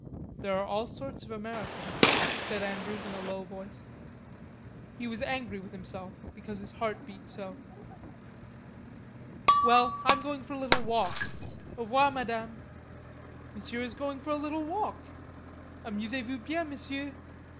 "There are all sorts of Americans," said Andrews in a low voice. He was angry with himself because his heart beat so. "Well, I'm going for a little walk. Au revoir, Madame." "Monsieur is going for a little walk. Amusez vous bien, Monsieur.